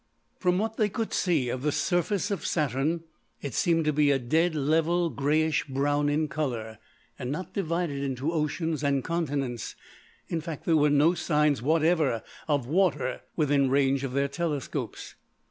From what they could see of the surface of Saturn it seemed to be a dead level, greyish brown in colour, and not divided into oceans and continents. In fact there were no signs whatever of water within range of their telescopes.